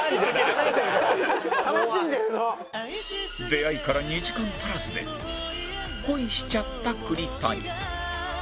出会いから２時間足らずで恋しちゃった栗谷